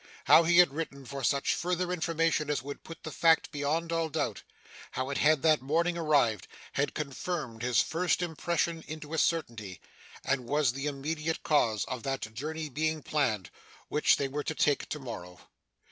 How he had written for such further information as would put the fact beyond all doubt; how it had that morning arrived; had confirmed his first impression into a certainty; and was the immediate cause of that journey being planned, which they were to take to morrow.